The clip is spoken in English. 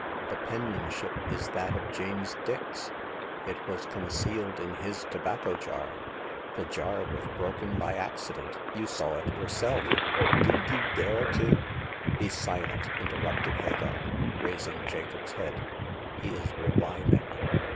The penmanship is that of James Dix ; it was concealed in his tobacco jar ; the jar was broken by accident ; you saw it yourself. Do you dare to "Be silent !'' interrupted Hagar, raising Jacob's head ; "he is reviving."